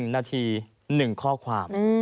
๑นาที๑ข้อความ